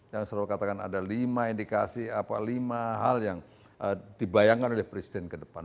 jangan selalu katakan ada lima hal yang dibayangkan oleh presiden ke depan